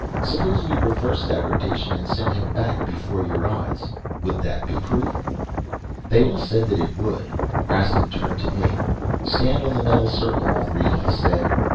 'Suppose we reverse that rotation and send him back before your eyes would that be proof?' "They all said that it would. Rastin turned to me. 'Stand on the metal circle, Henri,' he said.